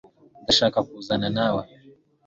ndashaka kuzana nawe